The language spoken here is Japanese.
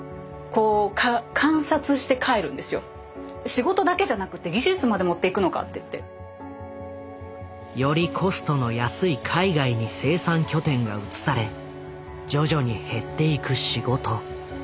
仕事だけじゃなくて技術まで持っていくのかっていって。よりコストの安い海外に生産拠点が移され徐々に減っていく仕事。